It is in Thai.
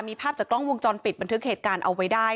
มีภาพจากกล้องวงจรปิดบันทึกเหตุการณ์เอาไว้ได้